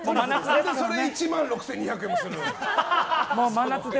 何でそれで１万６２００円もするんだよ。